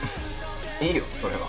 いいよ、それは。